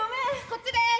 こっちです。